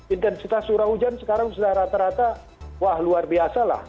intensitas curah hujan sekarang sudah rata rata wah luar biasa lah